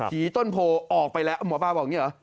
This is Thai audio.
ผีต้นโพออกไปแล้วหมอปลาบอกอย่างนี้เหรอ